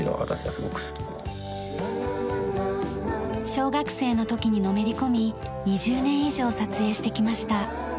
小学生の時にのめり込み２０年以上撮影してきました。